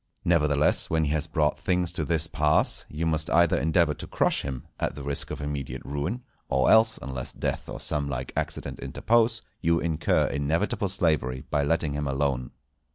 Nevertheless, when he has brought things to this pass, you must either endeavour to crush him, at the risk of immediate ruin, or else, unless death or some like accident interpose, you incur inevitable slavery by letting him alone.